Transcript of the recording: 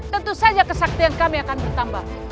tentu saja kesaktian kami akan bertambah